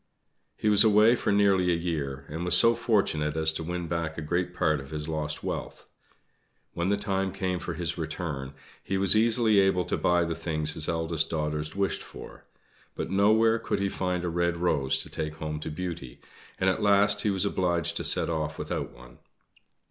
He was away for nearly a year, and was so fortunate as to win back a great part of his lost wealth. When the time came for his return, he was easily able to buy the things his eldest daughters wished for; but nowhere could he find a red rose to take home to Beauty, and at last he was obliged to set off without one.